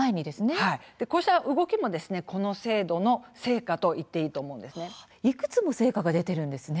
こうした動きもこの制度の成果といくつも成果が出ているんですね。